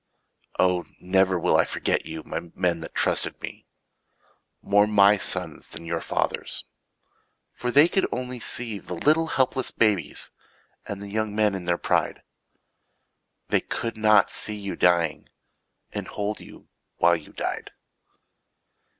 Oh, never will I forget you, My men that trusted me. More my sons than your fathers'. For they could only see The little helpless babies And the young men in their pride. They could not see you dying. And hold you while you died.